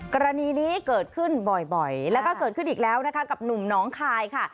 กรณีนี้เกิดขึ้นบ่อยแล้วก็เกิดขึ้นอีกแล้วนะคะกับหนุ่มน้องคายค่ะ